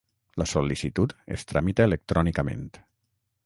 La sol·licitud es tramita electrònicament.